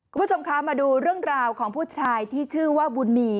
คุณผู้ชมคะมาดูเรื่องราวของผู้ชายที่ชื่อว่าบุญมี